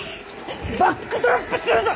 バックドロップするぞ！